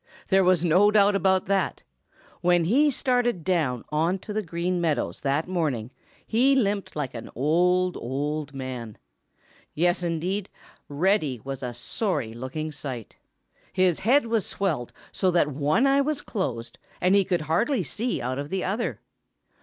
There was no doubt about that. When he started down on to the Green Meadows that morning he limped like an old, old man. Yes indeed, Reddy was a sorry looking sight. His head was swelled so that one eye was closed, and he could hardly see out of the other.